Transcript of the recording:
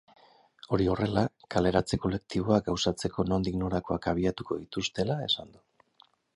Hori horrela, kaleratze kolektiboa gauzatzeko nondik norakoak abiatuko dituztela esan du.